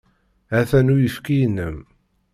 Ha-t-an uyefki-inem.